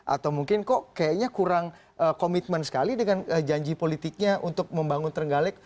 atau mungkin kok kayaknya kurang komitmen sekali dengan janji politiknya untuk membangun terenggalek